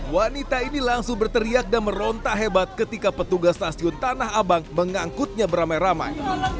wanita ini langsung berteriak dan merontak hebat ketika petugas stasiun tanah abang mengangkutnya beramai ramai